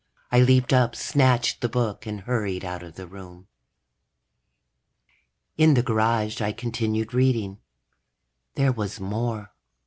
I leaped up, snatched the book, and hurried out of the room. In the garage, I continued reading. There was more.